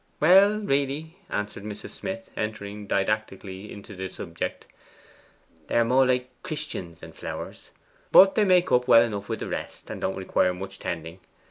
'Well, really,' answered Mrs. Smith, entering didactically into the subject, 'they are more like Christians than flowers. But they make up well enough wi' the rest, and don't require much tending.